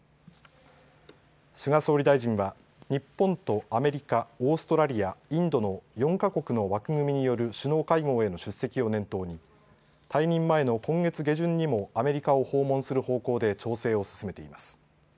菅総理大臣は日本とアメリカ、オーストラリア、インドの４か国の枠組みによる首脳会合への出席を念頭に退任前の今月下旬にもアメリカを訪問する方向で調整を進めています。